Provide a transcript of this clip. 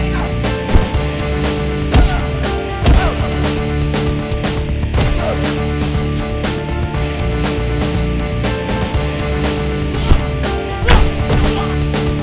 gue lebih mending ribut sama lo